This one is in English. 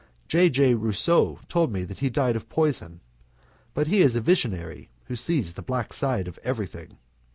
J. J. Rousseau told me that he died of poison, but he is a visionary who sees the black side of everything.